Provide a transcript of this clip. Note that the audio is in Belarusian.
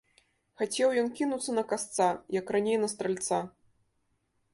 Хацеў ён кінуцца на касца, як раней на стральца.